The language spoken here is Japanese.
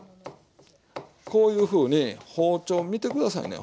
こういうふうに包丁を見て下さいね。